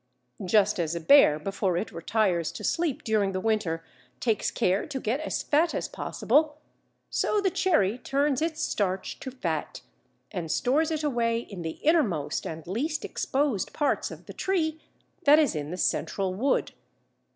Just as a bear, before it retires to sleep during the winter, takes care to get as fat as possible, so the Cherry turns its starch to fat, and stores it away in the innermost and least exposed parts of the tree, that is in the central wood.